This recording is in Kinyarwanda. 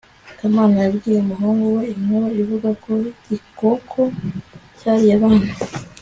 kamana yabwiye umuhungu we inkuru ivuga ku gikoko cyariye abana